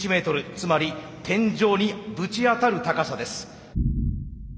つまり天井にぶち当たる高さです。